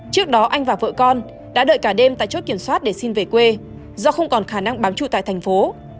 trước đó anh và vợ con đã đợi cả đêm tại chốt kiểm soát để xin về quê do không còn khả năng bám trụ tại thành phố